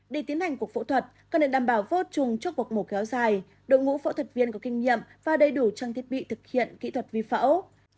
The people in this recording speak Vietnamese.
để tiến hành cuộc phẫu thuật cần để đảm bảo vô trùng trước cuộc mổ kéo dài đội ngũ phẫu thuật viên có kinh nghiệm và đầy đủ trang thiết bị thực hiện kỹ thuật vi phẫu